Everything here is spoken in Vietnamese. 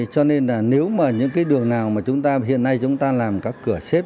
cho nên là nếu mà những cái đường nào mà chúng ta hiện nay chúng ta làm các cửa xếp